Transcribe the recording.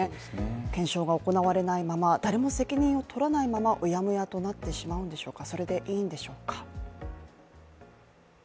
検証が行われないまま、誰も責任を取らないままうやむやとなってしまうんでしょうか、それでいいんでしょうか。